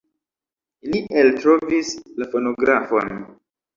Li eltrovis la fonografon.